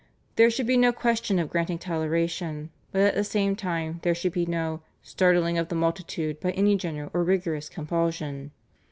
There should be no question of granting toleration, but at the same time there should be no "startling of the multitude by any general or rigorous compulsion."